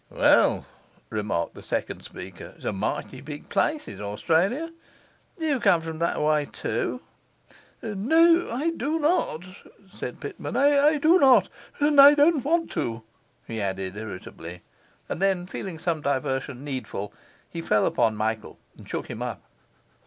'Well,' remarked the second speaker, 'it's a mighty big place, is Australia. Do you come from thereaway too?' 'No, I do not,' said Pitman. 'I do not, and I don't want to,' he added irritably. And then, feeling some diversion needful, he fell upon Michael and shook him up.